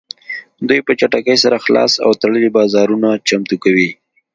دوی په چټکۍ سره خلاص او تړلي بازارونه چمتو کوي